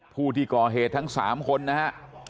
ผู้ที่ก่อเหตุทั้ง๓คนนะฮะ